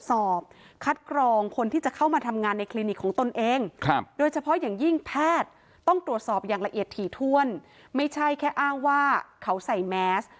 สอบอย่างละเอียดถี่ถ้วนไม่ใช่แค่อ้างว่าเขาใส่แมส